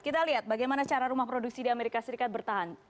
kita lihat bagaimana cara rumah produksi di amerika serikat bertahan